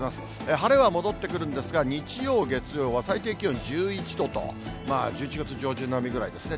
晴れは戻ってくるんですが、日曜、月曜は、最低気温１１度と、１１月上旬並みぐらいですね。